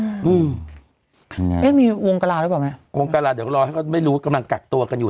อืมมีมีวงกราดรึเปล่าวงกราณเดี๋ยวก็รอให้ไม่รู้กำลังกักตัวกันอยู่